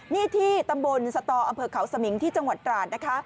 นี่ที่ตำบลสตออำเภอเขาสมิงที่จังหวัดตราดนะคะ